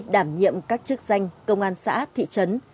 đảm nhiệm các chức danh công an xã thị trấn